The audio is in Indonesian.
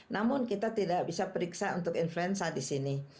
namun kita tidak bisa periksa untuk influenza disini